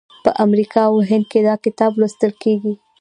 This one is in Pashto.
په امریکا او هند کې دا کتاب لوستل کیږي.